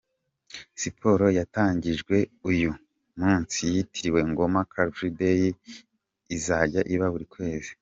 Siporo yatangijwe uyu munsi yitiriwe “Ngoma Car Free Day” izajya iba buri kwezi.